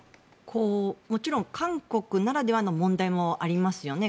もちろん韓国ならではの問題もありますよね。